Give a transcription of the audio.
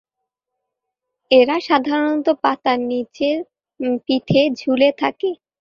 এরা সাধারণত পাতার নিচের পিঠে ঝুলে থাকে।